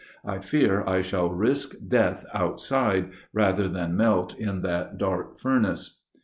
I fear I shall risk death outside rather than melt in that dark furnace.